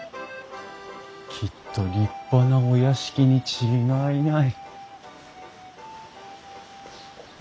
きっと立派なお屋敷に違いない。